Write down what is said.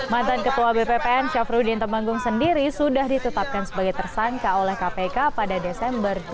mantan kepala bppn syafruddin temenggung sendiri sudah ditetapkan sebagai tersangka oleh kpk pada desember dua ribu tujuh belas